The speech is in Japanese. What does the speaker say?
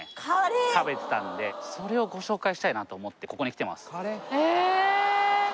食べてたんでそれをご紹介したいなと思ってここに来てますえっ？